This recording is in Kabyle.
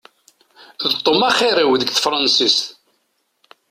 D Tom axir-iw deg tefransist.